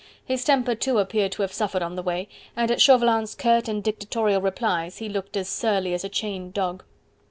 His temper too appeared to have suffered on the way, and, at Chauvelin's curt and dictatorial replies, he looked as surly as a chained dog.